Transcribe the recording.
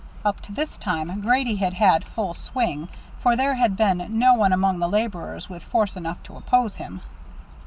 Up to this time Grady had had full swing, for there had been no one among the laborers with force enough to oppose him.